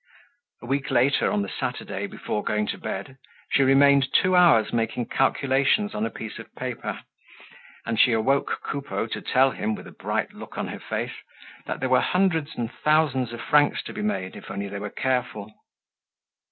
A week later on the Saturday, before going to bed, she remained two hours making calculations on a piece of paper, and she awoke Coupeau to tell him, with a bright look on her face, that there were hundreds and thousands of francs to be made, if they were only careful.